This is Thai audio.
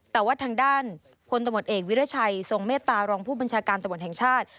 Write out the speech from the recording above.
แต่ว่าทางด้านพลตำรวจเอกวิรัชัยทรงเมตตารองผู้บัญชาการตำรวจแห่งชาติ